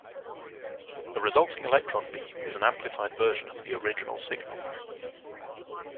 The resulting electron beam is an amplified version of the original signal.